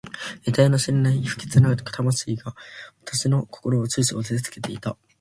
えたいの知れない不吉な魂が私の心を始終おさえつけていた。